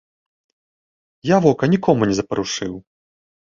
Я вока нікому не запарушыў.